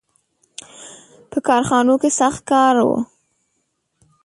• په کارخانو کې سخت کار و.